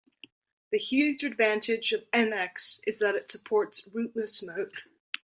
The huge advantage of NX is that it supports "rootless" mode.